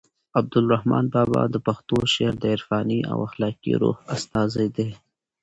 عبدالرحمان بابا د پښتو شعر د عرفاني او اخلاقي روح استازی دی.